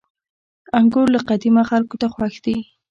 • انګور له قديمه خلکو ته خوښ دي.